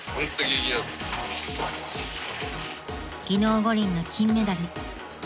［技能五輪の金メダル］